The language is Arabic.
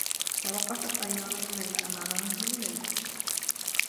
توقّفت سيّارة ليلى أمام منزل ليلى.